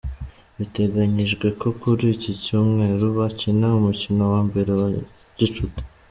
Biteganyijwe ko kuri iki Cyumweru bakina umukino wa mbere wa gicuti.